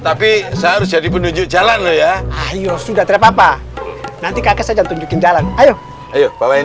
ini saya harus jadi penunjuk jalan loh ya ayo sudah tidak apa apa nanti kakek saya akan tunjukin jalan ayo ayo bawa ini